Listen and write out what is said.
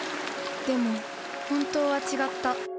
でも、本当は違った。